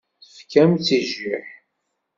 Tefkam-tt i jjiḥ.